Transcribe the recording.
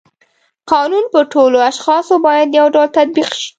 قانون په ټولو اشخاصو باید یو ډول تطبیق شي.